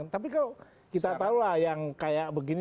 tapi kalau kita tahu lah yang kayak begini